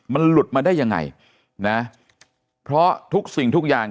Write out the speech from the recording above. มันหลุดมาได้ยังไงนะเพราะทุกสิ่งทุกอย่าง